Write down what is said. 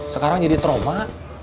sekarang jadi trauma